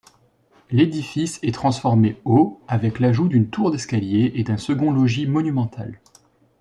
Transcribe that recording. L'édifice est transformé au avec l'ajout d'une tour d'escalier et d'un second logis monumental.